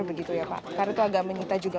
begitu ya pak karena itu agak menyita juga